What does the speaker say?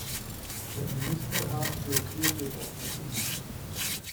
Der Ministerrat blockiert jedoch noch immer.